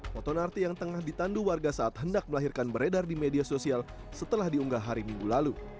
foto narti yang tengah ditandu warga saat hendak melahirkan beredar di media sosial setelah diunggah hari minggu lalu